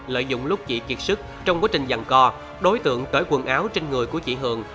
lợi dụng lúc chị kiệt sức trong quá trình dặn co đối tượng tới quần áo trên người của chị hường